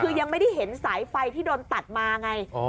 คือยังไม่ได้เห็นสายไฟที่โดนตัดมาไง